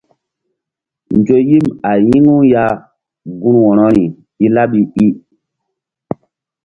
Nzo yim a yi̧ŋu ya gun wo̧rori i laɓi i.